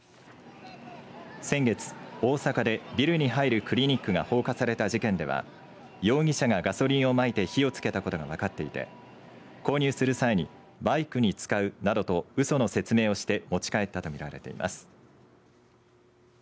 先月、大阪でビルに入るクリニックが放火された事件では容疑者がガソリンをまいて火をつけたことが分かっていて購入する際にバイクに使うなどとうその説明をして持ち帰ったとみられています。